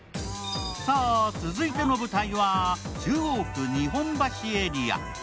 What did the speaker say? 続いての舞台は中央区日本橋エリア。